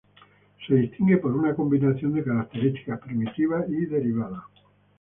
Se distingue por una combinación de características primitivas y derivadas.